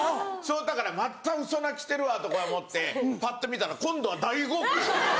だからまたウソ泣きしてるわとか思ってぱっと見たら今度は大号泣。